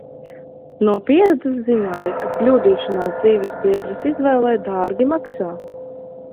No pieredzes zināju, ka kļūdīšanās dzīvesbiedres izvēlē dārgi maksā.